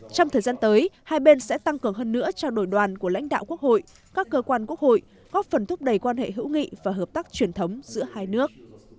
trong thời gian tới hai bên sẽ tăng cường hơn nữa trao đổi đoàn của lãnh đạo quốc hội các cơ quan quốc hội góp phần thúc đẩy quan hệ hữu nghị và hợp tác truyền thống giữa hai nước